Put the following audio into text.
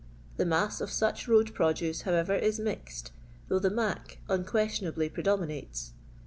The mass of such road produce, however, is mixed, though the "mac" unquestionably predominates.